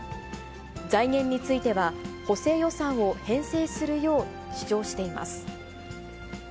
財源については、補正予算を編成するよう主張しています。